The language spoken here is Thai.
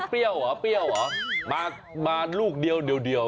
เปรี้ยวเหรอมาลูกเดียวเงี้ย